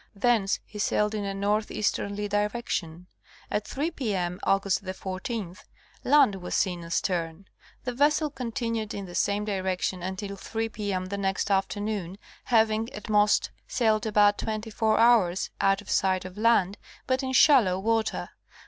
Thence he sailed in a north easterly direction. At 3p. M., Aug. 14th, land was seen astern ; the vessel continued in the same direction until 3 p. m. the next afternoon, having, at most, sailed about twenty four hours out of sight of land but in shallow water.